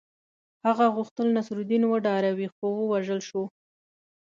هغه غوښتل نصرالدین وډاروي خو ووژل شو.